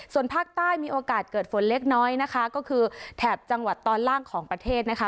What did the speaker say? ส่วนภาคใต้มีโอกาสเกิดฝนเล็กน้อยนะคะก็คือแถบจังหวัดตอนล่างของประเทศนะคะ